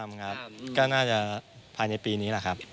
ทำทำครับก็น่าจะภายในปีนี้ล่ะครับ